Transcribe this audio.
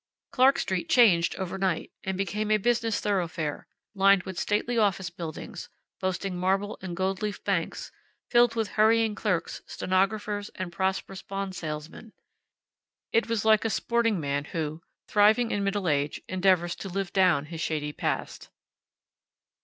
Clark street changed overnight, and became a business thoroughfare, lined with stately office buildings, boasting marble and gold leaf banks, filled with hurrying clerks, stenographers, and prosperous bond salesmen. It was like a sporting man who, thriving in middle age, endeavors to live down his shady past.